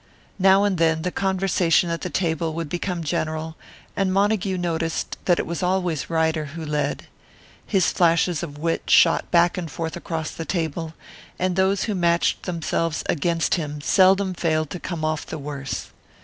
Now and then the conversation at the table would become general, and Montague noticed that it was always Ryder who led. His flashes of wit shot back and forth across the table; and those who matched themselves against him seldom failed to come off the worse.